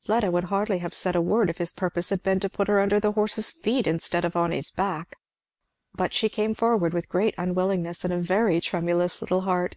Fleda would hardly have said a word if his purpose had been to put her under the horse's feet instead of on his back. But she came forward with great unwillingness and a very tremulous little heart.